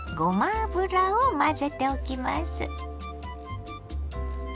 油を混ぜておきます。